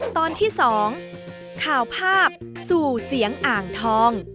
ตอนที่๒ข่าวภาพสู่เสียงอ่างทอง